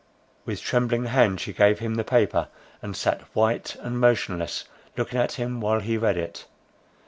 With trembling hand she gave him the paper, and sat white and motionless looking at him while he read it.